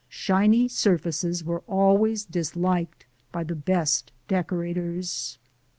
Shiny surfaces were always disliked by the best decorators.